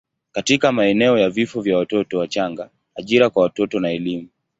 katika maeneo ya vifo vya watoto wachanga, ajira kwa watoto na elimu.